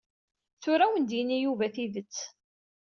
Tura ad wen-d-yini Yuba tidet.